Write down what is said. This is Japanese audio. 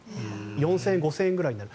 ４０００５０００円ぐらいになる。